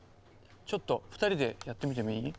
ちょっと２人でやってみてもいい？